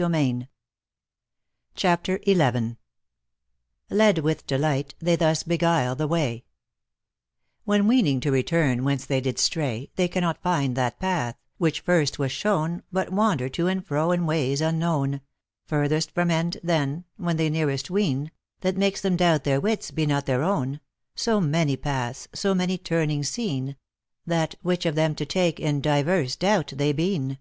185 CHAPTER XL Led with delight they thus beguile the way When weening to return whence they did stray, They cannot find that path, which first was showne, But wander to and fro in ways unknown, Furthest from end then, when they nearest weene, That makes them doubt their wits be not their own, So many paths, so many turning seene, That which of them to take in diverse doubt they been.